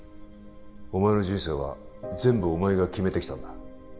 お前の人生は全部お前が決めてきたんだ